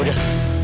tidak ada apa apa